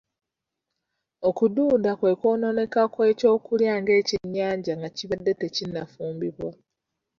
Okududa kwe kwonooneka kw’ekyokulya ng’ekyennyanja nga kibadde tekinnafumbibwa.